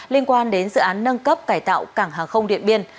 liên quan đến dự án nâng cấp cải tạo cảng hàng không điện biên